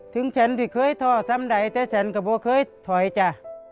ถึงฉันที่เคยท่อซ้ำใดแต่ฉันก็บอกเคยถอยจ้ะ